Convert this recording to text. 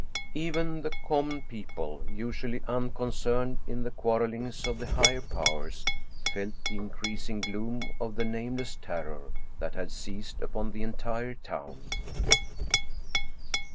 Even the common people, usually uncon cerned in the quarrelings of the higher powers, felt the in creasing gloom of the nameless terror that had seized upon the entire town.